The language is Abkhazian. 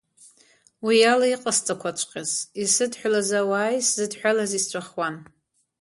Уиала иҟасҵақәаҵәҟьаз, исыдҳәалаз ауааи сзыдҳәалази сҵәахуан.